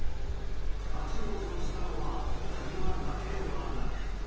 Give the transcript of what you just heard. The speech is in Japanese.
立往生したのは車だけではなく。